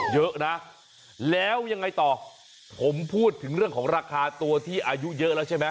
เยอะนะแล้วยังไงต่อผมพูดถึงเรื่องของราคาตัวที่อายุเยอะแล้วใช่ไหม